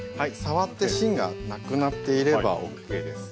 触って芯がなくなっていればＯＫです。